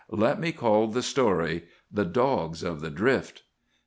Let us call the story— 'THE DOGS OF THE DRIFT.